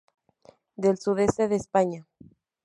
Del sudeste de España